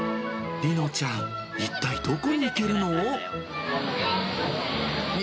梨乃ちゃん、一体どこに行けるの？